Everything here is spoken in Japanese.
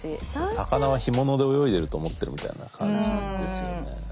魚は干物で泳いでると思ってるみたいな感じですよね。